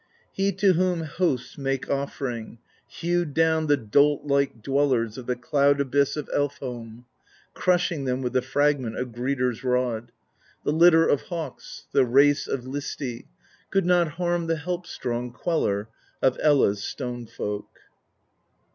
He to whom hosts make offering Hewed down the dolt Hke dwellers Of the cloud abyss of Elf Home, Crushing them with the fragment Of Gridr's Rod: the litter Of hawks, the race of Listi Could not harm the help strong Queller of Ella's Stone Folk.